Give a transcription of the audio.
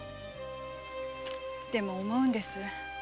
でも思うんです。